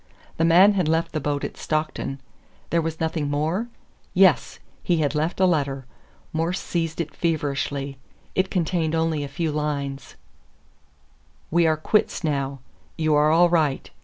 The man had left the boat at Stockton. There was nothing more? Yes! he had left a letter. Morse seized it feverishly. It contained only a few lines: We are quits now. You are all right.